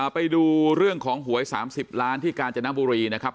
ไปดูเรื่องของหวย๓๐ล้านที่กาญจนบุรีนะครับ